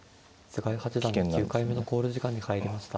９回目の考慮時間に入りました。